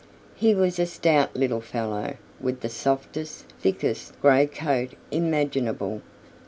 He was a stout little fellow with the softest, thickest, gray coat imaginable.